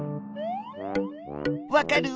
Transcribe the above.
わかる？